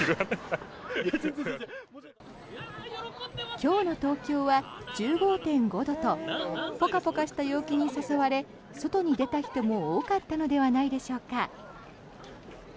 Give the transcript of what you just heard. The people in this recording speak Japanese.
今日の東京は１５．５度とポカポカした陽気に誘われ外に出た人も多かったのではないでしょうか。